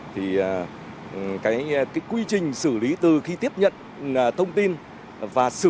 thì cái quy trình xử lý từ khi tiếp nhận thông tin và sử dụng